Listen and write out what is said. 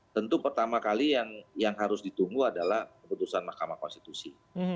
tentu pertama kali yang harus ditunggu adalah keputusan mahkamah konstitusi